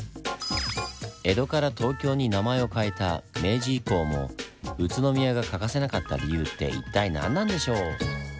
「江戸」から「東京」に名前を変えた明治以降も宇都宮が欠かせなかった理由って一体何なんでしょう？